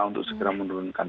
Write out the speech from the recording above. untuk segera menurunkan